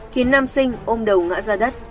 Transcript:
khiến nam sinh ôm đầu ngã ra đất